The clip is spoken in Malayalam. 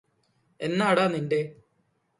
എന്നാടാ നിന്റെ